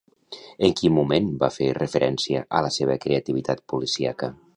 En quin moment va fer referència a la seva creativitat policíaca?